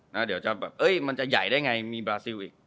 เดี๋ยวจะแบบเอ้ยมันจะใหญ่ได้ไงมีบราซิลอีก